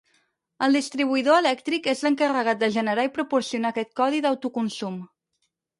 El distribuïdor elèctric és l'encarregat de generar i proporcionar aquest codi d'autoconsum.